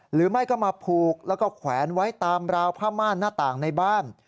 หรือไม่ก็มาผูกแล้วก็แขวนไว้ตามราวผ้าม่านหน้าต่างในบ้าน